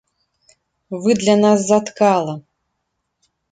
Вы для нас заткала!